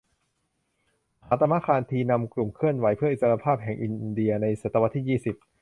มหาตมะ คานธีนำกลุ่มเคลื่อนไหวเพื่ออิสรภาพแห่งอินเดียในศตวรรษที่ยี่สิบ